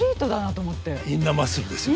インナーマッスルですよね。